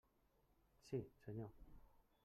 Sí, senyor.